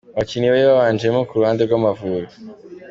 Abakinnyi bari babanjemo ku ruhande rw’Amavubi:.